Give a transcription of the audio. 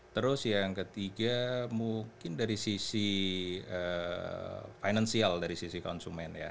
terus yang ketiga mungkin dari sisi financial dari sisi konsumen ya